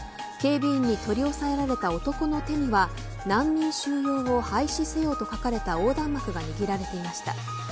警備員に取り押さえられた男の手には難民収容を廃止せよと書かれた横断幕が握られていました。